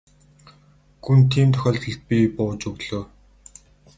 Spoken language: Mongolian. Гүн тийм тохиолдолд би бууж өглөө.